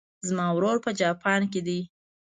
زما ورور په جاپان کې ده